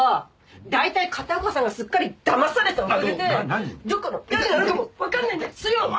大体片岡さんがすっかりだまされたおかげでどこの誰なのかもわからないんですよ！